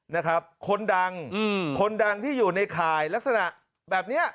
นะครับคนดังอืมคนดังที่อยู่ในข่ายลักษณะแบบเนี้ย